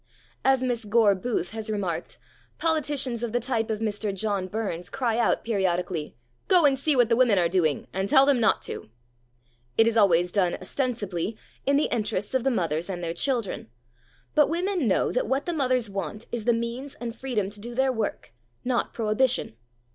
As Miss Gore Booth has remarked, politicians of the type of Mr. John Burns cry out periodically, "Go and see what the women are doing and tell them not to!" It is always done, ostensibly, in the interests of the mothers and their children, but women know that what the mothers want is the means and freedom to do their work, not prohibition.